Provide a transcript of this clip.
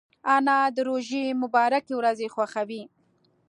انا د روژې مبارکې ورځې خوښوي